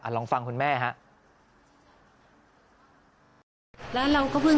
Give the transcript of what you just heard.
ลองฟังคุณแม่ครับ